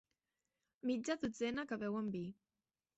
Mitja dotzena que beuen vi.